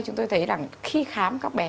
chúng tôi thấy là khi khám các bé